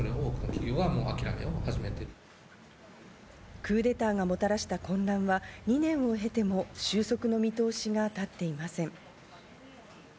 クーデターがもたらした混乱は２年を経ても、収束の見通しが立っていません。